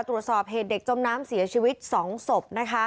ตรวจสอบเหตุเด็กจมน้ำเสียชีวิต๒ศพ